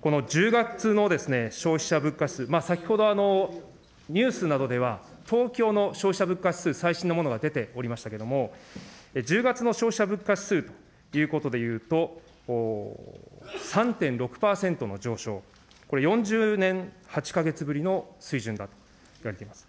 この１０月のですね、消費者物価指数、先ほど、ニュースなどでは、東京の消費者物価指数、最新のものが出ておりましたけれども、１０月の消費者物価指数ということでいうと、３．６％の上昇、これ、４０年８か月ぶりの水準だといわれています。